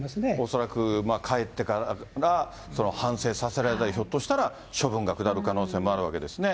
恐らく帰ってから反省させられたり、ひょっとしたら、処分が下る可能性もあるわけですね。